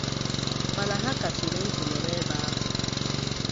mana ha kachiri ntị nọrọ n'ebe ahụ.